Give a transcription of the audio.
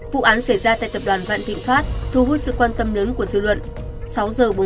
vụ án xảy ra tại tập đoàn vạn thịnh pháp thu hút sự quan tâm lớn của dư luận